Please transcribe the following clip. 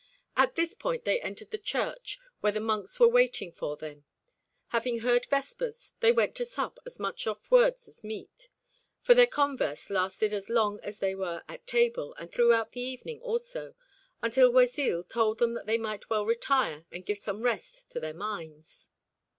At this point they entered the church, where the monks were waiting for them. Having heard vespers, they went to sup as much off words as meat, for their converse lasted as long as they were at table, and throughout the evening also, until Oisille told them that they might well retire and give some rest to their minds.